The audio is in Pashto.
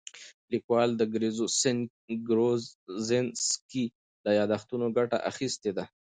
لیکوال د کروزینسکي له یادښتونو ګټه اخیستې ده.